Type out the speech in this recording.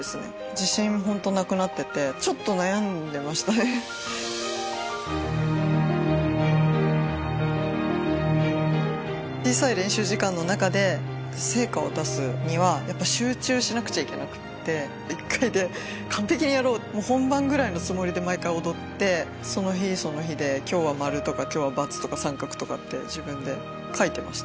自信ほんと無くなっててちょっと悩んでましたね小さい練習時間の中で成果を出すにはやっぱ集中しなくちゃいけなくって１回で完璧にやろう本番くらいのつもりで毎回踊ってその日その日で今日は○とか今日は×とか△とかって自分で書いてました